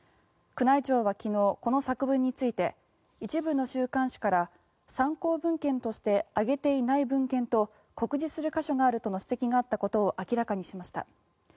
宮内庁は昨日、この作文について一部の週刊誌から参考文献として挙げていない文献と酷似する箇所があるとの指摘があったことを明らかにしました。